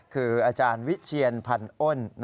คืออาจารย์วิเชียนพันอ้น